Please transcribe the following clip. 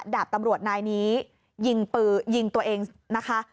ดาบตำรวจนายนี้ยิงตัวเองนะคะ